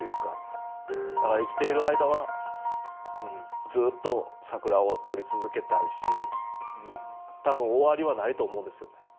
だから生きている間はずっと桜を撮り続けたいし多分終わりはないと思うんですよね。